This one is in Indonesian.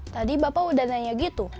tadi bapak udah nanya gitu